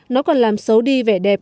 nó còn làm xấu đi vẻ đẹp